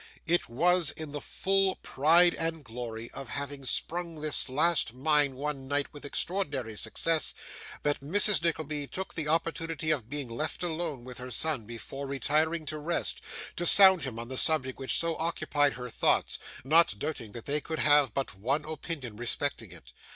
It was in the full pride and glory of having sprung this last mine one night with extraordinary success, that Mrs. Nickleby took the opportunity of being left alone with her son before retiring to rest, to sound him on the subject which so occupied her thoughts: not doubting that they could have but one opinion respecting it.